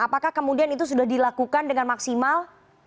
apakah kemudian itu sudah dilakukan dengan maksimal